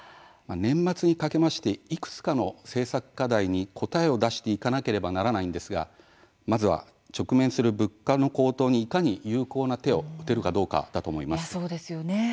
年末にかけてましていくつかの政策課題に答えを出していかなければならないんですがまずは直面する物価の高騰にいかに有効な手を打てるかどうかだと思います。